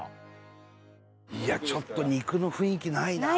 いやちょっと肉の雰囲気ないな。